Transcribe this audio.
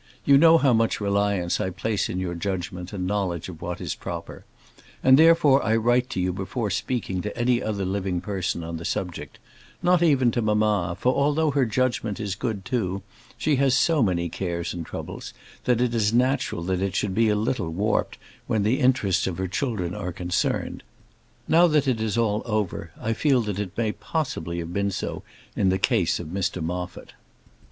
You know how much reliance I place in your judgement and knowledge of what is proper, and, therefore, I write to you before speaking to any other living person on the subject: not even to mamma; for, although her judgement is good too, she has so many cares and troubles, that it is natural that it should be a little warped when the interests of her children are concerned. Now that it is all over, I feel that it may possibly have been so in the case of Mr Moffat.